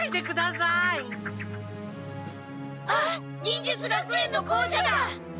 忍術学園の校舎だ！